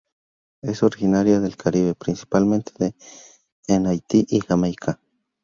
Es originaria del Caribe, principalmente en Haití y Jamaica.